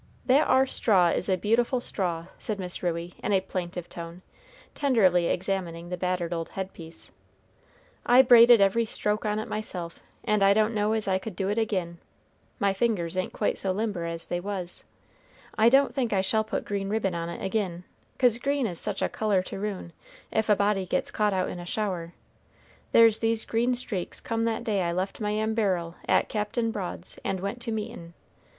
"That ar straw is a beautiful straw!" said Miss Ruey, in a plaintive tone, tenderly examining the battered old head piece, "I braided every stroke on it myself, and I don't know as I could do it ag'in. My fingers ain't quite so limber as they was! I don't think I shall put green ribbon on it ag'in; 'cause green is such a color to ruin, if a body gets caught out in a shower! There's these green streaks come that day I left my amberil at Captain Broad's, and went to meetin'.